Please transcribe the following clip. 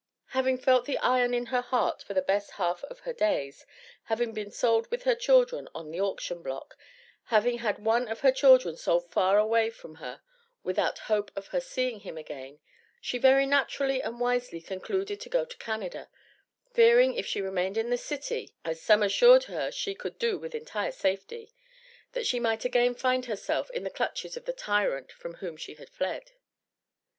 Having felt the iron in her heart for the best half of her days having been sold with her children on the auction block having had one of her children sold far away from her without hope of her seeing him again she very naturally and wisely concluded to go to Canada, fearing if she remained in this city as some assured her she could do with entire safety that she might again find herself in the clutches of the tyrant from whom she had fled.